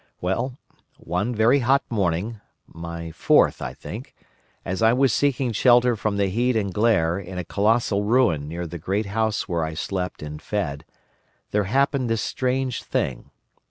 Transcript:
"Well, one very hot morning—my fourth, I think—as I was seeking shelter from the heat and glare in a colossal ruin near the great house where I slept and fed, there happened this strange thing.